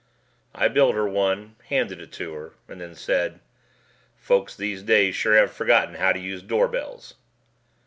I built her one, handed it to her, and then said, "Folks these days sure have forgotten how to use doorbells."